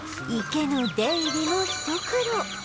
池の出入りもひと苦労